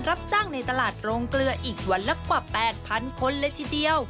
รับจ้างในตลาดโรงเกลืออีกวันละกว่า๘๐๐คนเลยทีเดียว